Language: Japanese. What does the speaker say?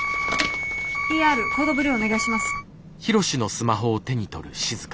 ＥＲコードブルーお願いします。